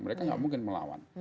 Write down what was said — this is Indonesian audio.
mereka tidak mungkin melawan